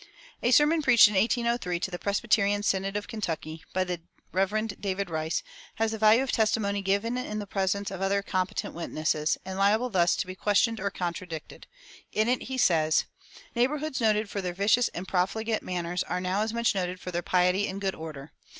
A sermon preached in 1803 to the Presbyterian synod of Kentucky, by the Rev. David Rice, has the value of testimony given in the presence of other competent witnesses, and liable thus to be questioned or contradicted. In it he says: "Neighborhoods noted for their vicious and profligate manners are now as much noted for their piety and good order.